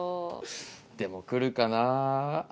でも来るかなあ？